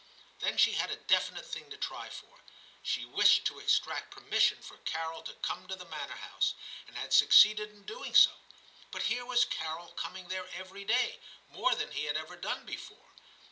Then she had a definite thing to try for ; she wished to extract permission for Carol to come to the manor house, and had succeeded in doing so. But here was Carol coming there every day, more than he had ever done before.